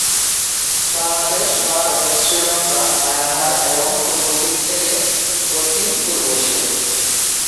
Bangladesh, Bharat, Sri Lanka, Myanmar এবং পূর্বদিক থেকে দক্ষিণ- পূর্ব এশিয়া।